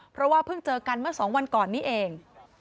เพราะว่าเพิ่งเจอกันเมื่อ๒วันก่อนนี้เอง